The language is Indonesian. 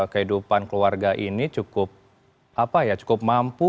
kehidupan keluarga ini cukup mampu